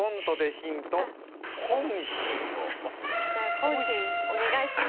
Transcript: じゃあコンヒンお願いします。